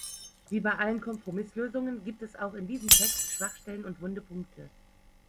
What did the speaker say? Wie bei allen Kompromisslösungen gibt es auch in diesem Text Schwachstellen und wunde Punkte.